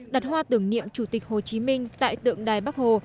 đặt hoa tưởng niệm chủ tịch hồ chí minh tại tượng đài bắc hồ